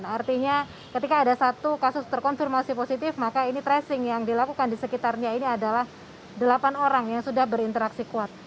artinya ketika ada satu kasus terkonfirmasi positif maka ini tracing yang dilakukan di sekitarnya ini adalah delapan orang yang sudah berinteraksi kuat